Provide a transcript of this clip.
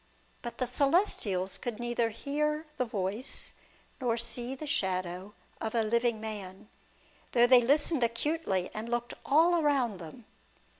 But the celestials could neither hear the voice, nor see the shadow of a living man, though they listened acutely, and looked all around them.